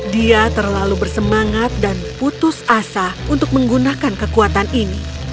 dia terlalu bersemangat dan putus asa untuk menggunakan kekuatan ini